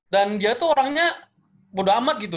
dan dia tuh orangnya bodo amat gitu